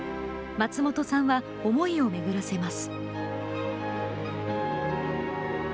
松本さんは思いを巡らせます。